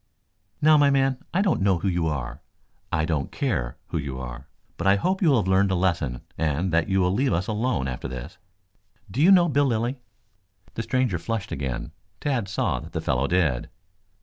"Now, my man, I don't know who you are; I don't care who you are. But I hope you will have learned a lesson and that you will leave us alone after this. Do you know Bill Lilly?" The stranger flushed again. Tad saw that the fellow did.